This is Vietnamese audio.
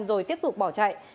rồi tiếp tục bỏ chạy